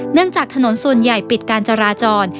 จากถนนส่วนใหญ่ปิดการจราจร